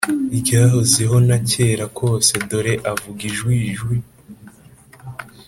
Ryahozeho na kera kose Dore avuga ijwi ijwi